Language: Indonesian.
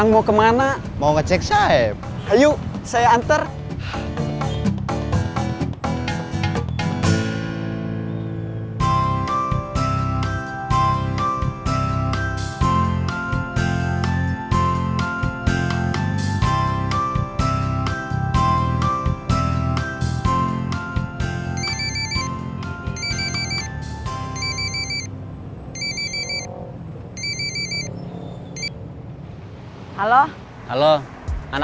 gak ada apa apa